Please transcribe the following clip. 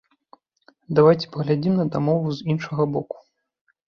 Давайце паглядзім на дамову з іншага боку.